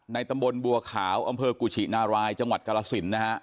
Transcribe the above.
ในตะมนต์บัวขาวอำเภอกูชินารายจังหวัดกาลสิน